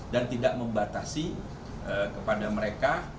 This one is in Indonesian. dan tidak membatasi kepada mereka